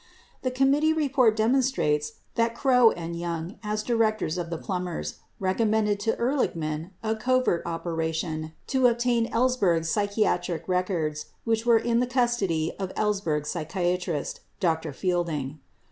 The committee record demonstrates that Krogh and Young, as di rectors of the Plumbers, recommended to Ehrlichman a covert opera tion to obtain Ellsbergs' psychiatric records which were in the cus tody of Ellsberg's psychiatrist, Dr. Fielding.